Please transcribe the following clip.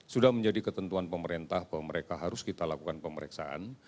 sudah menjadi ketentuan pemerintah bahwa mereka harus kita lakukan pemeriksaan